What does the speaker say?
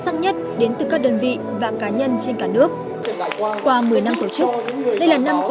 sắc nhất đến từ các đơn vị và cá nhân trên cả nước qua một mươi năm tổ chức đây là năm có